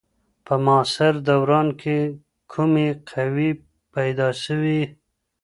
په معاصر دوران کي کومې قوې پیدا سوې؟